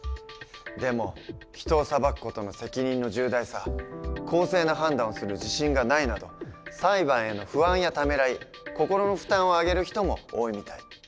でも人を裁く事の責任の重大さ公正な判断をする自信がないなど裁判への不安やためらい心の負担を挙げる人も多いみたい。